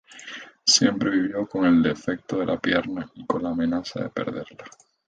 Siempre vivió con el defecto de la pierna y con la amenaza de perderla.